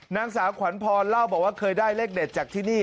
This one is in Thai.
นางสาวขวัญพรเล่าบอกว่าเคยได้เลขเด็ดจากที่นี่